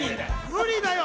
無理だよ。